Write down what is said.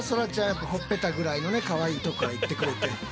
やっぱほっぺたぐらいのねかわいいとこからいってくれて。